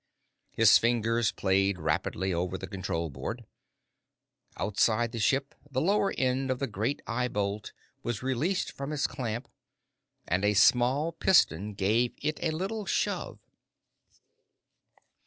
His fingers played rapidly over the control board. Outside the ship, the lower end of the great eye bolt was released from its clamp, and a small piston gave it a little shove.